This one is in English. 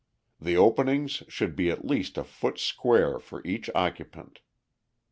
The openings should be at least a foot square for each occupant.